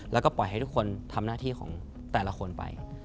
แล้วก็ปล่อยให้ทุกคนทำหน้าที่ของแต่ละคนไป